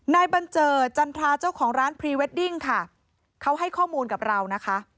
บันเจิดจันทราเจ้าของร้านพรีเวดดิ้งค่ะเขาให้ข้อมูลกับเรานะคะ